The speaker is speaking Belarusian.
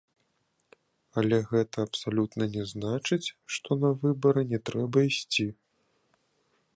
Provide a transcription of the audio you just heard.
Але гэта абсалютна не значыць, што на выбары не трэба ісці.